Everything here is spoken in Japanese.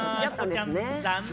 残念。